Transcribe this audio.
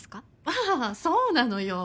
ああそうなのよ。